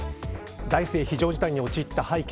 財政非常事態におちいった背景。